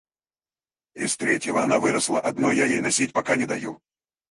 Из третьего она выросла, одно я ей носить пока не даю.